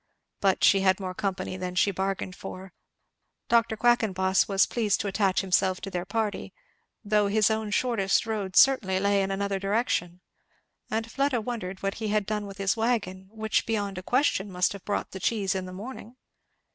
But she had more company than she bargained for. Dr. Quackenboss was pleased to attach himself to their party, though his own shortest road certainly lay in another direction; and Fleda wondered what he had done with his wagon, which beyond a question must have brought the cheese in the morning.